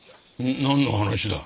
何の話だ？